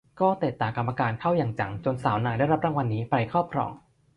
ก็เตะตากรรมการเข้าอย่างจังจนสาวนายได้รับรางวัลนี้ไปครอบครอง